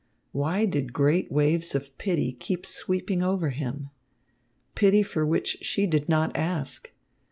Why did great waves of pity keep sweeping over him? Pity for which she did not ask.